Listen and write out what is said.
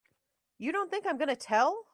You don't think I'm gonna tell!